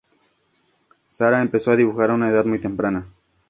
Sarah empezó a dibujar a una edad muy temprana.